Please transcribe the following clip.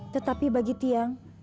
tetapi bagi tiang